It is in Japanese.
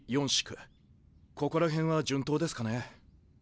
ここら辺は順当ですかね。